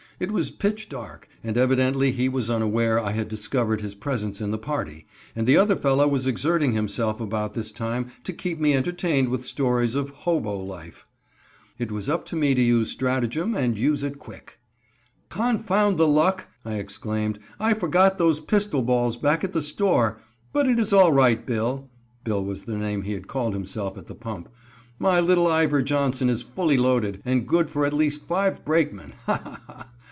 It was pitch dark, and evidently he was unaware I had discovered his presence in the party, and the other fellow was exerting himself about this time to keep me entertained with stories of "hobo" life. It was up to me to use strategem, and use it quick! "Confound the luck!" I exclaimed, "I forgot those pistol balls back at the store, but it is all right, Bill" Bill was the name he had called himself at the pump "my little Iver Johnson is full loaded, and good for at least five brakemen. Ha! ha! ha!